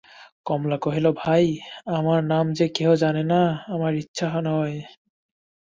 কমলা কহিল, ভাই, আমার নাম যে কেহ জানে সে আমার ইচ্ছা নয়।